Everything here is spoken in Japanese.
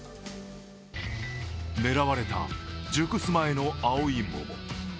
狙われた熟す前の青い桃。